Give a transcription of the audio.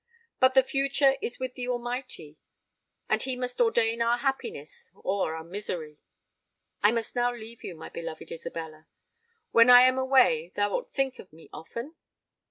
But the future is with the Almighty; and He must ordain our happiness or our misery! I must now leave you, my beloved Isabella:—when I am away thou wilt think of me often?"